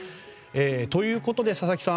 ということで、佐々木さん